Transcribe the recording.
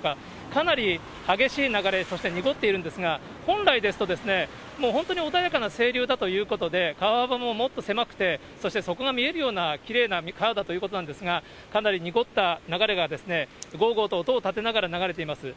かなり激しい流れ、そして濁っているんですが、本来ですと、もう本当に穏やかな清流だということで、川幅ももっと狭くて、そして底が見えるようなきれいな川だということなんですが、かなり濁った流れがごーごーと音をたてながら流れています。